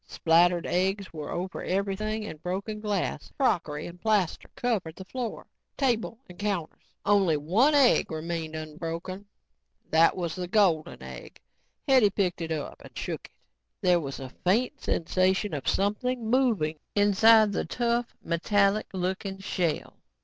Splattered eggs were over everything and broken glass, crockery and plaster covered the floor, table and counters. Only one egg remained unbroken. That was the golden egg. Hetty picked it up and shook it. There was a faint sensation of something moving inside the tough, metallic looking shell.